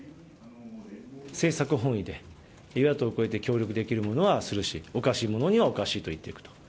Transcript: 政策本位で与野党超えて協力できるものはするし、おかしいものにはおかしいと言っていくと。